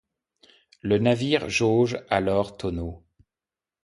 Le navire jauge alors tonneaux.